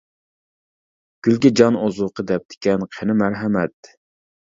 كۈلكە جان ئوزۇقى دەپتىكەن، قىنى مەرھەمەت!